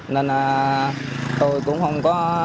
nên tôi cũng không có